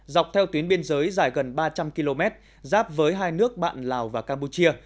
dọc theo tuyến biên giới dài gần ba trăm linh km giáp với hai nước bạn lào và campuchia